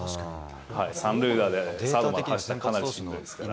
三塁打でサードまで走ったらかなりしんどいですから。